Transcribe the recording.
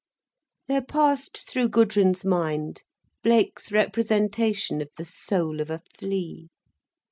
There passed through Gudrun's mind Blake's representation of the soul of a flea.